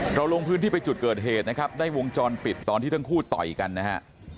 ลงพื้นที่ไปจุดเกิดเหตุนะครับได้วงจรปิดตอนที่ทั้งคู่ต่อยกันนะฮะ